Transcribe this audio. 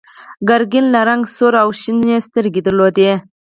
ګرګین له رنګه سور و او شنې سترګې یې درلودې.